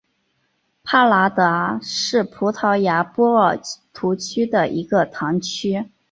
帕拉达是葡萄牙波尔图区的一个堂区。